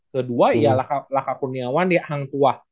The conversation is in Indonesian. kedua ya laka kuniawan di hang tuah